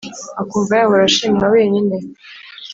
akumva yahora ashimwa wenyine,